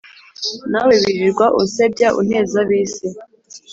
Nawe wirirwa unsebya, unteza ab’isi